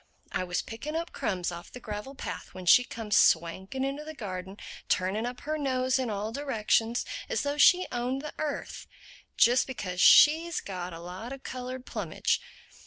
I was picking up crumbs off the gravel path when she comes swanking into the garden, turning up her nose in all directions, as though she owned the earth—just because she's got a lot of colored plumage.